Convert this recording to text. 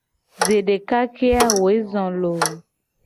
Zedeka ke a woe zo loo.